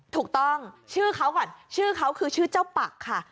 ถูกต้องชื่อเขาก่อนชื่อเขาคือชื่อเจ้าปักค่ะ